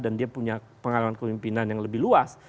dan dia punya pengalaman kemimpinan yang lebih luas